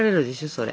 それ。